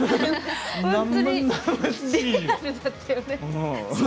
本当にリアルだったよね。